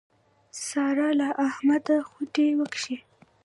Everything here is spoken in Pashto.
سارا له احمده خوټې وکښې.